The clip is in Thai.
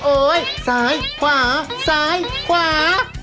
โอ๊ยสายขวาสายขวา